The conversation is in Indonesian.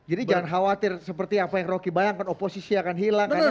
jadi jangan khawatir seperti apa yang rocky bayangkan oposisi akan hilang